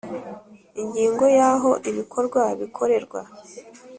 Ingingo ya aho ibikorwa bikorerwa